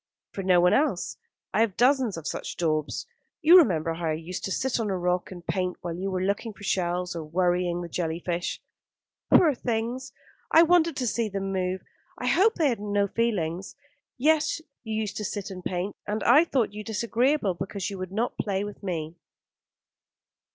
"For no one else. I have dozens of such daubs. You remember how I used to sit on a rock and paint while you were looking for shells or worrying the jelly fish." "Poor things. I wanted to see them move. I hope they have no feelings. Yes, you used to sit and paint; and I thought you disagreeable because you would not play with me."